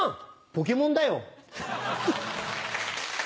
ポケモンだよ。